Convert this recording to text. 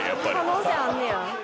可能性あんねや。